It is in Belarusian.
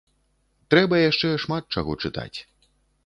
Трэба яшчэ шмат чаго чытаць.